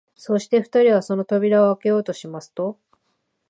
そして二人はその扉をあけようとしますと、